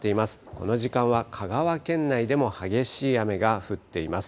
この時間は香川県内でも激しい雨が降っています。